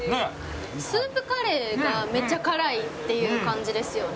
スープカレーがめっちゃ辛いっていう感じですよね。